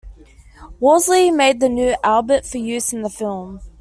Worsley made a new "Albert" for use in the film.